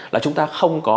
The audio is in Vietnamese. là chúng ta không có